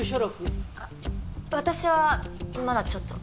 あっ私はまだちょっと。